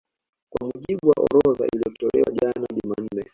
Kwa mujibu wa orodha iliyotolewa jana Jumanne